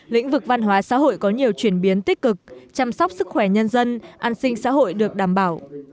lĩnh vực văn hóa xã hội có nhiều chuyển biến tích cực chăm sóc sức khỏe nhân dân an sinh xã hội được đảm bảo